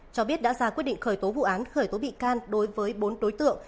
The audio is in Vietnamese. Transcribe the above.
cho biết đã ra quyết định khởi tố vụ án khởi tố bị can đối với bốn đối tượng